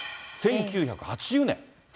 １９８０年。